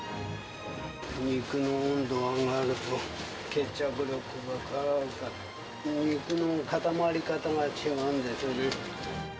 肉の温度が上がると、結着力が変わるから、肉の固まり方が違うんですね。